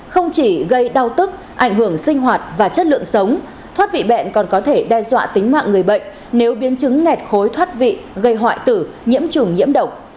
không chỉ gây đau tức ảnh hưởng sinh hoạt và chất lượng sống thoát vị bệnh còn có thể đe dọa tính mạng người bệnh nếu biến chứng ngẹt khối thoát vị gây hoại tử nhiễm trùng nhiễm độc